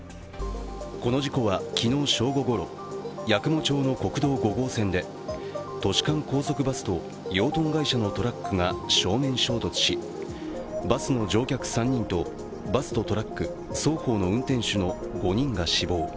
この事故は昨日正午ごろ、八雲町の国道５号線で都市間高速バスと養豚会社のトラックが正面衝突しバスの乗客３人とバスとトラック双方の運転手５人が死亡。